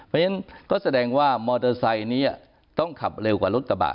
เพราะฉะนั้นก็แสดงว่ามอเตอร์ไซค์นี้ต้องขับเร็วกว่ารถกระบะ